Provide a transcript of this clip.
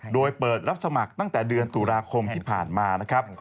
โดยเปิดรับสมัครตั้งแต่เดือนตุลาคมที่ผ่านมานะครับ